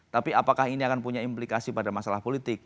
tapi apakah ini akan punya implikasi pada masalah politik